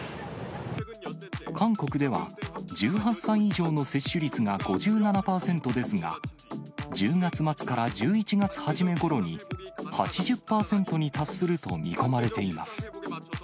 韓国では、１８歳以上の接種率が５７％ですが、１０月末から１１月初め頃に、８０％に達すると見込まれています。